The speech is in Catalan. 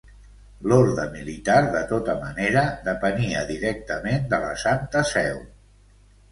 L'orde militar, de tota manera, depenia directament de la Santa Seu.